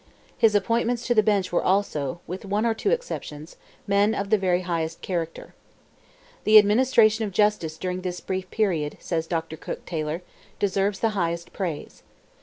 His appointments to the bench were also, with one or two exceptions, men of the very highest character. "The administration of justice during this brief period," says Dr. Cooke Taylor, "deserves the highest praise.